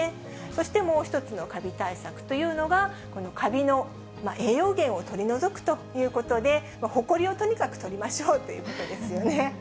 そしてもう一つのカビ対策というのが、このカビの栄養源を取り除くということで、ホコリをとにかく取りましょうということですよね。